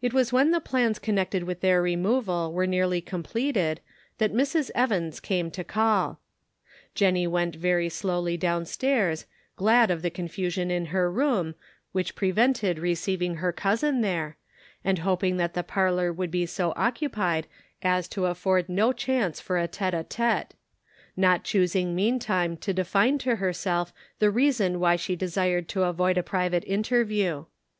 It was when the plans connected with their removal were nearly completed that Mrs. Evans came to call. Jennie went very slowly down stairs, glad of the confusion in her room, which 436 The Pocket Measure. prevented, receiving her cousin there, and hoping that the parlor would be so occupied as to afford no chance for a tete a tete ; not choosing meantime to define to herself the reason why she desired to avoid a private inter view.